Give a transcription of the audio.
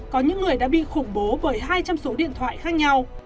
có những người đã bị khủng bố bởi hai trăm linh số điện thoại khác nhau